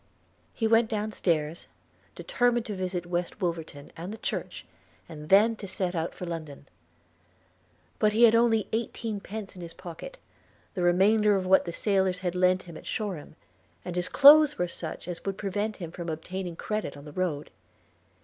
He went down stairs, determined to visit West Wolverton and the church, and then to set out for London; but he had only eighteenpence in his pocket, the remainder of what the sailors had lent him at Shoreham, and his clothes were such as would prevent him from obtaining credit on the road.